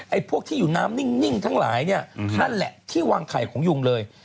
พวกที่อยู่น้ำนิ่งทั้งหลายเนี่ยนั่นแหละที่วางไข่ของยุงเลย